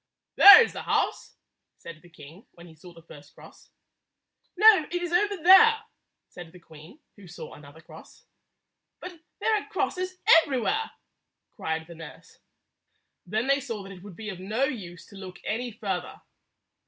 "There is the house," said the king when he saw the first cross. "No; it is over there," said the queen, who saw another cross. "But there are crosses everywhere!" cried the nurse. Then they saw that it would be of no use to look any further.